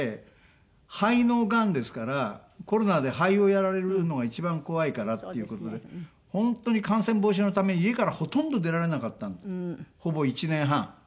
肺のがんですからコロナで肺をやられるのが一番怖いからっていう事で本当に感染防止のため家からほとんど出られなかったほぼ１年半。